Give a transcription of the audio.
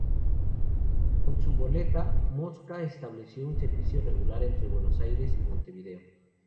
Con su goleta "Mosca" estableció un servicio regular entre Buenos Aires y Montevideo.